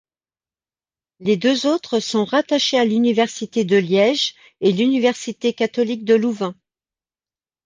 Les deux autres sont rattachées à l'université de Liège et l'université catholique de Louvain.